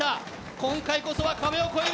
今回こそは壁を越える。